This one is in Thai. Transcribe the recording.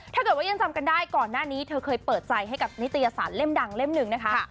ถ้าเกิดว่ายังจำกันได้ก่อนหน้านี้เธอเคยเปิดใจให้กับนิตยสารเล่มดังเล่มหนึ่งนะคะ